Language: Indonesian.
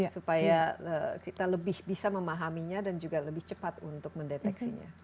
supaya kita lebih bisa memahaminya dan juga lebih cepat untuk mendeteksinya